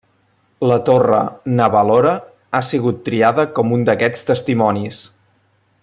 La torre Na Valora ha sigut triada com un d'aquests testimonis.